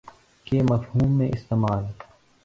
کے مفہوم میں استعمال